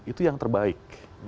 itu yang terbaik